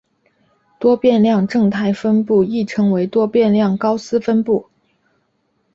多变量正态分布亦称为多变量高斯分布。